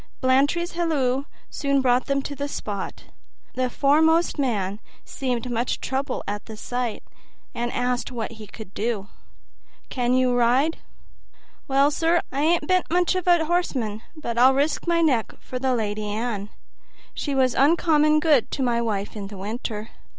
Blantyre's halloo soon brought them to the spot. The foremost man seemed much troubled at the sight, and asked what he could do. "Can you ride?" "Well, sir, I bean't much of a horseman, but I'd risk my neck for the Lady Anne; she was uncommon good to my wife in the winter."